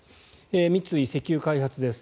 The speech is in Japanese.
三井石油開発です。